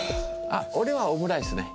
あっ俺はオムライスね。